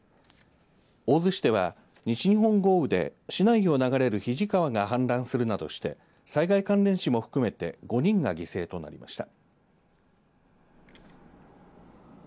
大洲市では、西日本豪雨で市内を流れる肱川が氾濫するなどして災害関連死も含めて５人が犠牲となりました。